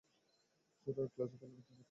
সূরা ইখলাস ও ফালাক তিলাওয়াত করে শুনালেন।